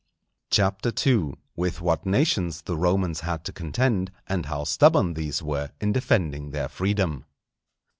CHAPTER II.—_With what Nations the Romans had to contend, and how stubborn these were in defending their Freedom.